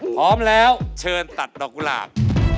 พร้อมแล้วเชิญตัดดอกกุหลาบ